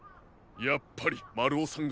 やっぱりまるおさんが。